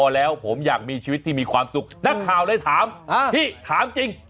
แล้วผมอยากมีชีวิตที่มีความสุขนักข่าวเลยถามพี่ถามจริง